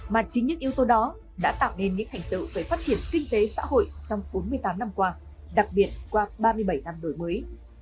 mà chính những yếu tố đó đã tạo nên những thành tựu về phát triển kinh tế xã hội trong bốn mươi tám năm qua đặc biệt qua ba mươi bảy năm đổi mới